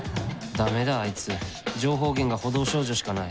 ダメだあいつ情報源が補導少女しかない